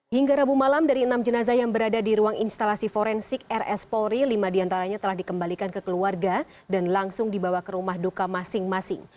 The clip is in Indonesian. hingga rabu malam dari enam jenazah yang berada di ruang instalasi forensik rs polri lima diantaranya telah dikembalikan ke keluarga dan langsung dibawa ke rumah duka masing masing